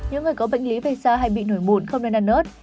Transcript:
những người có bệnh lý về da hay bị nổi mụn không nên ăn ớt